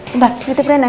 bentar titip rina ya